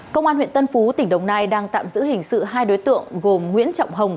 công an huyện tân phú tỉnh đồng nai đang tạm giữ hình sự hai đối tượng gồm nguyễn trọng hồng